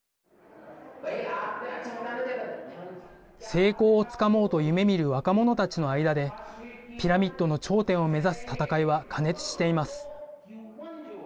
成功をつかもうと夢見る若者たちの間でピラミッドの頂点を目指す戦いは加熱しています。